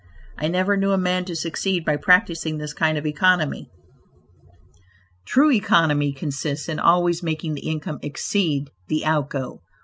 I never knew a man to succeed by practising this kind of economy. True economy consists in always making the income exceed the out go.